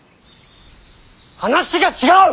話が違う！